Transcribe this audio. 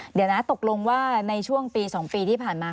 เดี๋ยวนะตกลงว่าในช่วงปี๒ปีที่ผ่านมา